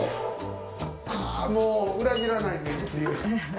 ああもう裏切らないめんつゆ。